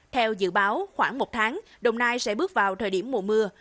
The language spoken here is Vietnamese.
theo dự báo khoảng một tháng đồng nai sẽ bước vào thời điểm mùa mưa